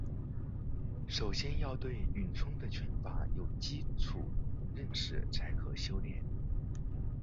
首先要对咏春的拳法有基础认识才可修练。